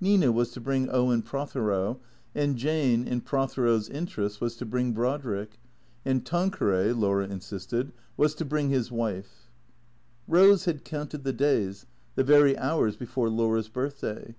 ISTina was to bring Owen Prothero; and Jane, in Prothero's interests, was to bring Brodrick; and Tanqueray, Laura insisted, was to bring his wife, Eose had counted the days, the very hours before Laura's birthday.